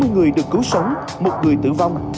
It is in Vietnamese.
bốn mươi người được cứu sống một người tử vong